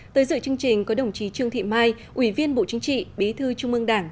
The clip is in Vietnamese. tới dự chương trình có đồng chí trương thị mai ủy viên bộ chính trị bí thư trung ương đảng